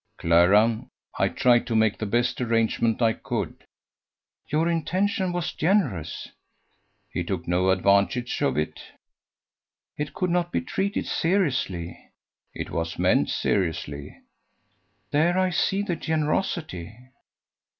"Clara, I tried to make the best arrangement I could." "Your intention was generous." "He took no advantage of it?" "It could not be treated seriously." "It was meant seriously." "There I see the generosity."